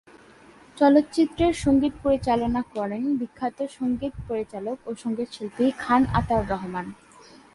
চলচ্চিত্রের সংগীত পরিচালনা করেন বিখ্যাত সংগীত পরিচালক ও সংগীতশিল্পী খান আতাউর রহমান।